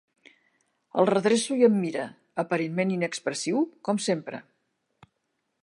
El redreço i em mira, aparentment inexpressiu, com sempre.